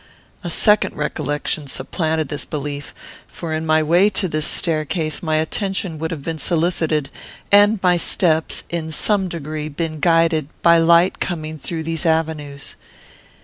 A second recollection supplanted this belief, for in my way to this staircase my attention would have been solicited, and my steps, in some degree, been guided, by light coming through these avenues.